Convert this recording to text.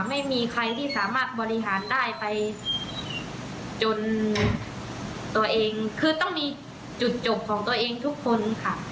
ไม่มีใครที่สามารถบริหารได้ไปจนตัวเองคือต้องมีจุดจบของตัวเองทุกคนค่ะ